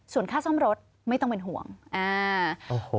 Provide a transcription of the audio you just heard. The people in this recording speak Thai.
ส่วนค่าซ่อมรถไม่ต้องเป็นห่วง